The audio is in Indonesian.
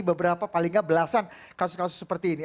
beberapa paling nggak belasan kasus kasus seperti ini